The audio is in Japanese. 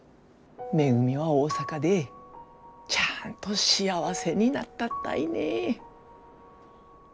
めぐみは大阪でちゃんと幸せになったったいね。